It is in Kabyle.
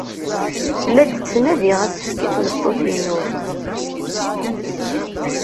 La d-ttnadiɣ asefk i tmeṭṭut-inu.